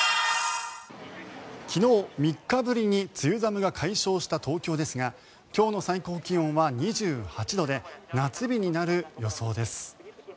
昨日、３日ぶりに梅雨寒が解消した東京ですが今日の最高気温は２８度で夏日になる予想です。